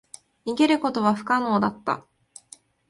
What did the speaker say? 逃げることは不可能だった。